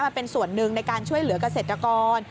มาเป็นส่วนหนึ่งในการช่วยเหลือกเกษตรกร